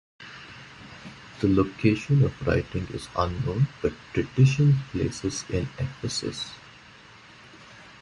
The location of writing is unknown, but tradition places it in Ephesus.